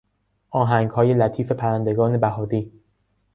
آهنگهای لطیف پرندگان بهاری